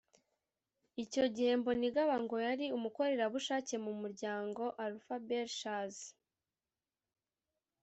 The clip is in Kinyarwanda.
Icyo gihe Mbonigaba ngo yari umukorerabushake mu muryango Alpha Bellechasse